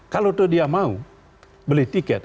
kalau dia mau beli tiket